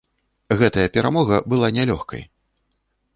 Гэтая перамога была нялёгкай.